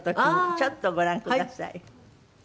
ちょっとご覧ください。